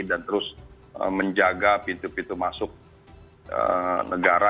dan terus menjaga pintu pintu masuk negara